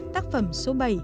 tác phẩm số bảy